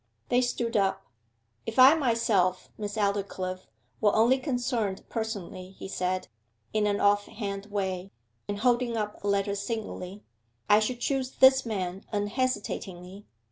They stood up. 'If I myself, Miss Aldclyffe, were only concerned personally,' he said, in an off hand way, and holding up a letter singly, 'I should choose this man unhesitatingly.